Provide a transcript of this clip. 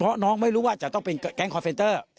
พอน้องไม่รู้ว่าจะต้องเป็นแก๊งกราฟเฟนเตอร์